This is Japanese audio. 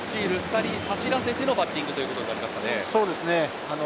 ２人走らせてのバッティングということになりましたね。